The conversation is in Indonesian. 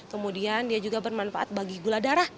kemudian dia juga bermanfaat bagi gula darah